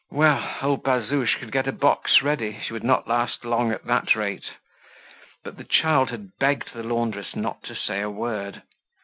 Well! Old Bazouge could get a box ready; she would not last long at that rate! But the child had begged the laundress not to say a word.